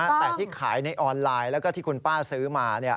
แต่ที่ขายในออนไลน์แล้วก็ที่คุณป้าซื้อมา